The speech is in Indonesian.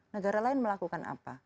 negara lain melakukan apa